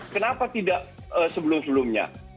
kenapa tidak sebelum sebelumnya